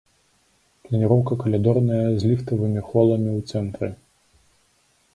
Планіроўка калідорная з ліфтавымі холамі ў цэнтры.